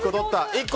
１個！